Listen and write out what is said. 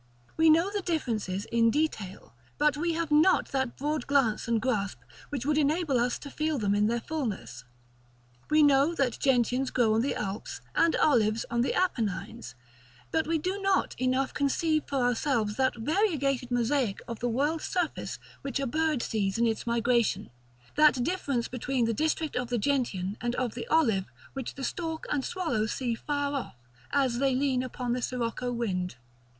We know the differences in detail, but we have not that broad glance and grasp which would enable us to feel them in their fulness. We know that gentians grow on the Alps, and olives on the Apennines; but we do not enough conceive for ourselves that variegated mosaic of the world's surface which a bird sees in its migration, that difference between the district of the gentian and of the olive which the stork and the swallow see far off, as they lean upon the sirocco wind.